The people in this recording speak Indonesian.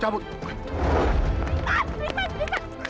yaudah lah sher